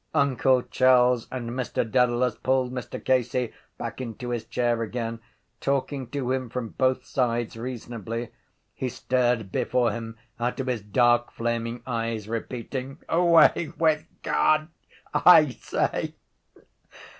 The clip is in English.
Uncle Charles and Mr Dedalus pulled Mr Casey back into his chair again, talking to him from both sides reasonably. He stared before him out of his dark flaming eyes, repeating: —Away with God, I say!